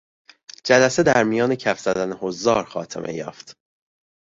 جلسه در میان کف زدن حضار خاتمه یافت.